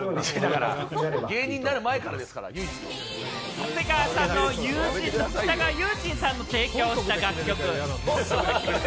長谷川さんの友人の北川悠仁さんが提供した楽曲。